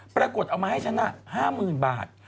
ปรากฏเอามาให้ฉันอะห้าหมื่นบาท